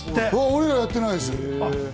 俺やってないです。